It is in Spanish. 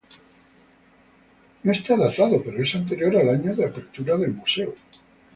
No está datado pero es anterior al año de apertura del Museo.